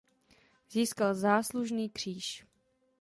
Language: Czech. Získal záslužný kříž.